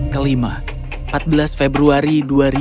kelima empat belas februari dua ribu enam belas